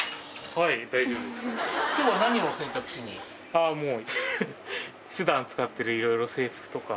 あぁもう。